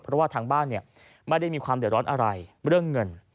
เพราะว่าทางบ้านไม่ได้มีความเดือดร้อนอะไรเรื่องเงิน